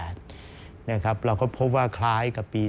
เราก็พบว่าคล้ายกับปี๒๕